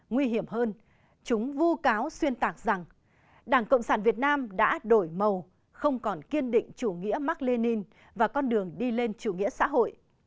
nguy hiểm hơn chúng vu cáo xuyên tạc rằng đảng cộng sản việt nam đã đổi màu không còn kiên định chủ nghĩa mark lenin và con đường đi lên chủ nghĩa xã hội